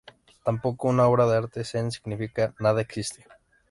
Tampoco una obra de arte Zen significa nada; existe.